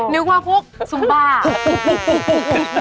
นึกว่าฮุกซุมบ้า